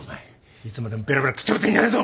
いつまでもベラベラくっちゃべってんじゃねえぞ！